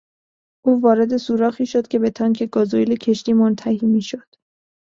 او وارد سوراخی شد که به تانک گازوئیل کشتی منتهی میشد.